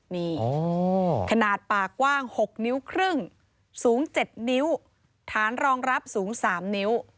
นี่ขนาดปากกว้าง๖นิ้วครึ่งสูง๗นิ้วฐานรองรับสูง๓นิ้ว